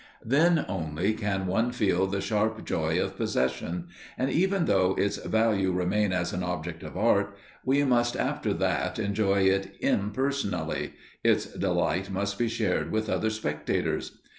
Then only can one feel the sharp joy of possession, and, even though its value remain as an object of art, we must after that enjoy it impersonally; its delight must be shared with other spectators.